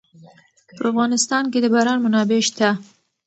په افغانستان کې د باران منابع شته.